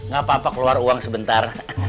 gak apa apa keluar uang sebentar